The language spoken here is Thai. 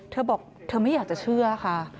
เธอบอกเธอไม่อยากจะเชื่อค่ะ